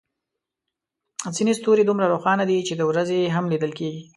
ځینې ستوري دومره روښانه دي چې د ورځې هم لیدل کېږي.